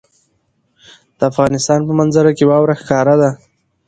د افغانستان په منظره کې واوره ښکاره ده.